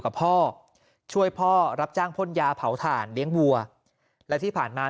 กับพ่อช่วยพ่อรับจ้างพ่นยาเผาถ่านเลี้ยงวัวและที่ผ่านมา